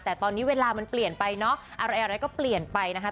แต่ตอนนี้เวลามันเปลี่ยนไปเนอะอะไรก็เปลี่ยนไปนะคะ